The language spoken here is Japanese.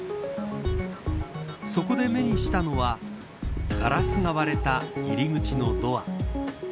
そこで目にしたのはガラスが割れた入り口のドア。